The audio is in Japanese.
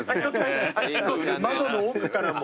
窓の奥からも。